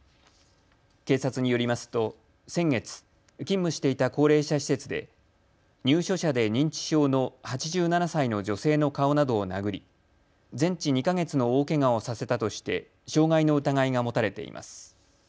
警察によりますと先月、勤務していた高齢者施設で入所者で認知症の８７歳の女性の顔などを殴り全治２か月の大けがをさせたとして傷害の疑いが持たれています。